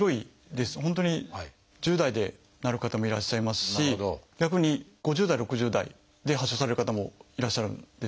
本当に１０代でなる方もいらっしゃいますし逆に５０代６０代で発症される方もいらっしゃるんですね。